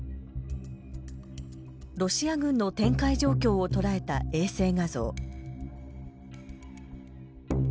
ロシア軍の展開状況を捉えた衛星画像。